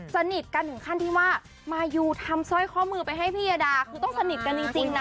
สนิทกันถึงขั้นที่ว่ามายูทำสร้อยข้อมือไปให้พี่ยาดาคือต้องสนิทกันจริงนะ